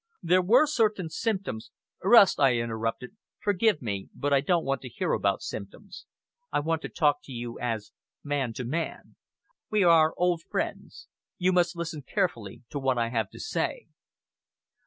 There were certain symptoms " "Rust," I interrupted, "forgive me, but I don't want to hear about symptoms. I want to talk to you as man to man. We are old friends! You must listen carefully to what I have to say."